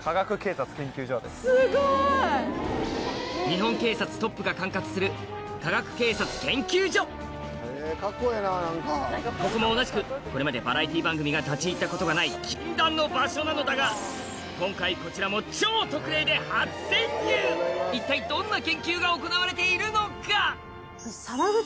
日本警察トップが管轄する科学警察研究所ここも同じくこれまでバラエティー番組が立ち入ったことがない禁断の場所なのだが今回こちらも一体どんな研究が行われているのか？